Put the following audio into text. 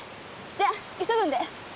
じゃ急ぐんで！